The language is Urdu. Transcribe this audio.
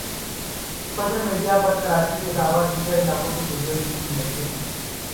سوشل میڈیا پر کراچی کے علاوہ دیگر علاقوں کے وڈیوز بھی میسر ہیں